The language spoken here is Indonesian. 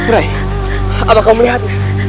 rai apa kau melihatnya